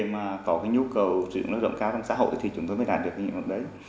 mà có nhu cầu sử dụng lớp rộng cao trong xã hội thì chúng tôi mới đạt được cái nhiệm vụ đấy